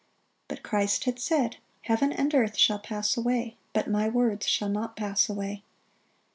But Christ had said, "Heaven and earth shall pass away, but My words shall not pass away."